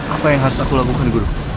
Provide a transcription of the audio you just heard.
apa yang harus aku lakukan guru